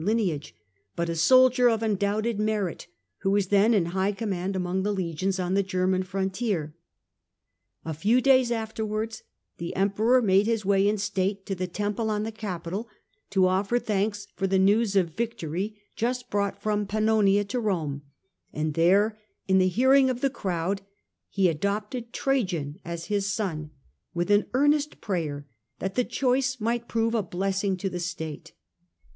lineage, but a soldier of undoubted merit, who was then in high command among the legions on the German frontier. A few days afterwards the Emperor made his way in state to the temple on the Capitol, to offer thanks for the news of victory just brought from Pannonia to Rome, and there, in the hearing of the crowd, he adopted Trajan as his son, with an earnest prayer that the choice might prove a blessing to the state.